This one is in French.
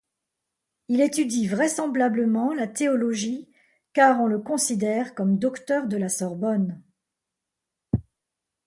Il étudie vraisemblablement la théologie car on le considère comme docteur de la Sorbonne.